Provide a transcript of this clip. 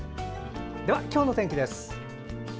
では、今日の天気です。